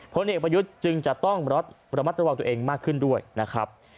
พลเอกประยุทธ์จึงจะต้องระมัดระวังตัวเองมากขึ้นด้วยนะครับ